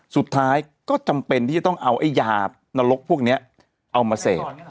สุดท้ายก็จำเป็นที่จะต้องเอาไอ้ยานรกพวกนี้เอามาเสพ